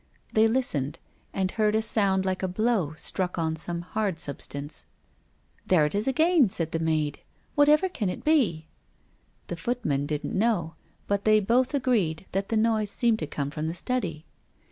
They listened and heard a sound like a blow struck on some hard substance. "WILLIAM FOSTER." 177 " There it is again," said the maid. " What ever can it be ?" The footman didn't know, but they both agreed that the noise seemed to come from the study.